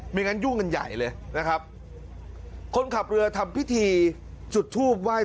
ไม่งั้นยุ่งกันใหญ่นะครับคนขับเรือทำพิธีจุดทูปไว้ขอเข้ามา